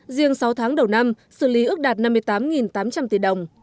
riêng sáu tháng đầu năm xử lý ước đạt năm mươi tám tám trăm linh tỷ đồng